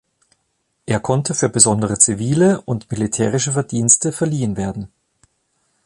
Er konnte für besondere zivile und militärische Verdienste verliehen werden.